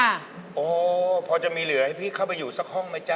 โอ้โหพอจะมีเหลือให้พี่เข้าไปอยู่สักห้องไหมจ๊